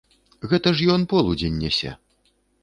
Гэта ж ён полудзень нясе!